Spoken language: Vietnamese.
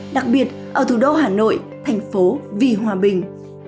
đặc biệt ở thủ đô hà nội thành phố vì hòa bình